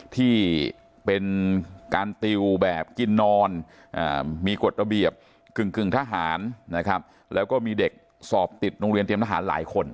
ที่เป็นการติวแบบกินนอนมีกฎระเบียบกึ่งทหารนะครับแล้วก็มีเด็กสอบติดโรงเรียนเตรียมทหารหลายคน